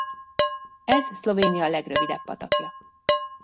Ez Szlovénia legrövidebb patakja.